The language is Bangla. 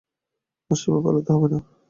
মাসিমা, পালাতে হবে না ।